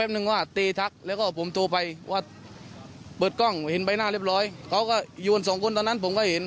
เห็นไปหน้าเรียบร้อยเค้าก็ยวนสองคนตอนนั้นผมก็เห็น